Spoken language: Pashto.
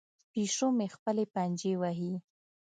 پیشو مې خپلې پنجې وهي.